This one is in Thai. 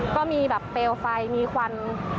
ก็มีแบบเปลวไฟมีควัน